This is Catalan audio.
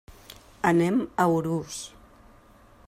Anem a Urús.